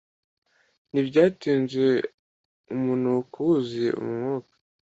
ntibyatinze umunuko wuzuye umwuka